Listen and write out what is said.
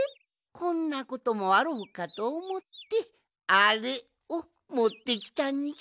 こんなこともあろうかとおもってアレをもってきたんじゃ。